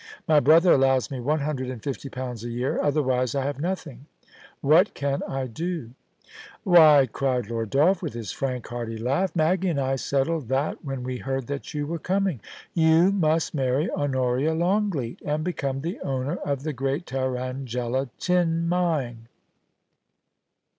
My brother allows me one hundred and fifty pounds a year, otherwise I have nothing. \Vhat can I do ?Why !* cried Lord Dolph, with his frank, hearty laugh, * Maggie and I settled that when we heard that you were coming. You must marry Honoria Longleat, and become the owner of the great Tarrangella tin mine.'